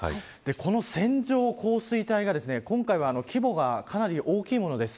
この線状降水帯が今回は規模がかなり大きいものです。